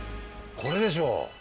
これでしょう？